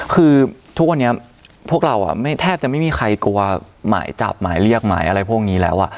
คือทุกวันนี้พวกเราแทบจะไม่มีใครกลัวหมายจับหมายเรียกหมายอะไรพวกนี้แล้ว